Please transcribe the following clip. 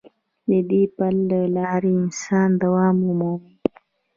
د دې پل له لارې انسان دوام مومي.